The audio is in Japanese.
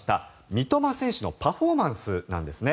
三笘選手のパフォーマンスなんですね。